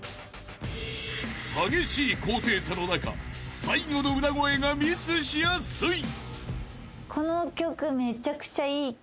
［激しい高低差の中最後の裏声がミスしやすい］